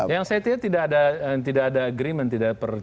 yang saya ketika tidak ada agreement tidak ada perjanjian